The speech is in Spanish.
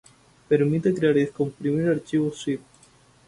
Permite crear y descomprimir archivos Zip.